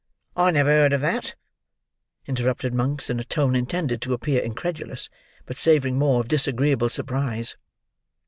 "I never heard of that," interrupted Monks in a tone intended to appear incredulous, but savouring more of disagreeable surprise.